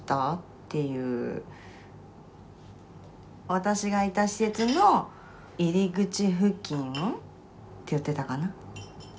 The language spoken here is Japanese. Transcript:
私がいた施設の入り口付近って言ってたかな。